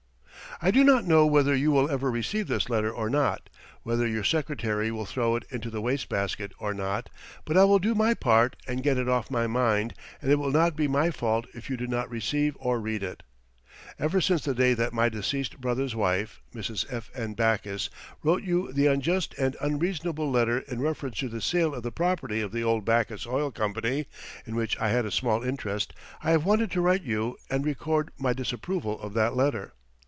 I do not know whether you will ever receive this letter or not, whether your secretary will throw it into the waste basket or not, but I will do my part and get it off my mind, and it will not be my fault if you do not receive or read it. Ever since the day that my deceased brother's wife, Mrs. F.N. Backus, wrote you the unjust and unreasonable letter in reference to the sale of the property of the old Backus Oil Company, in which I had a small interest, I have wanted to write you and record my disapproval of that letter.